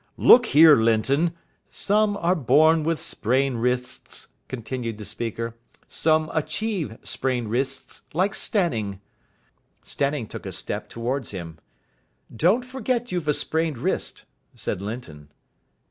"Look here, Linton " "Some are born with sprained wrists," continued the speaker, "some achieve sprained wrists like Stanning " Stanning took a step towards him. "Don't forget you've a sprained wrist," said Linton.